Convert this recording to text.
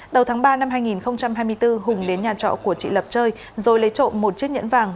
đầu tháng ba năm hai nghìn hai mươi bốn hùng đến nhà trọ của chị lập chơi rồi lấy trộm một chiếc nhẫn vàng